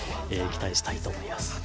期待したいと思います。